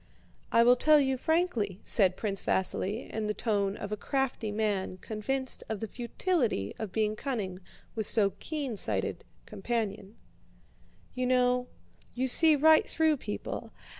"I will tell you frankly," said Prince Vasíli in the tone of a crafty man convinced of the futility of being cunning with so keen sighted a companion. "You know, you see right through people.